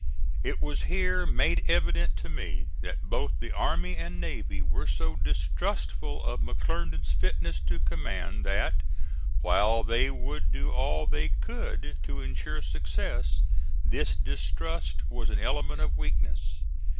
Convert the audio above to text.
It was here made evident to me that both the army and navy were so distrustful of McClernand's fitness to command that, while they would do all they could to insure success, this distrust was an element of weakness.